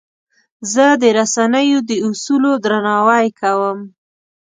زه د رسنیو د اصولو درناوی کوم.